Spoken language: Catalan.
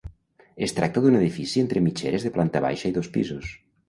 Es tracta d'un edifici entre mitgeres de planta baixa i dos pisos.